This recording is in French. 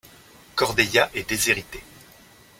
Cordeilla est déshéritée.